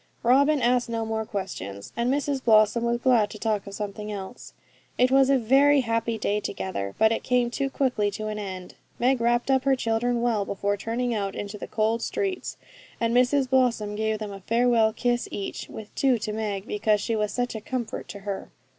Robin asked no more questions, and Mrs Blossom was glad to talk of something else. It was a very happy day altogether, but it came too quickly to an end. Meg wrapped up her children well before turning out into the cold streets, and Mrs Blossom gave them a farewell kiss each, with two to Meg because she was such a comfort to her.